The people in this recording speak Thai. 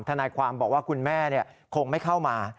ทนายความบอกว่าคุณแม่คงไม่เข้ามา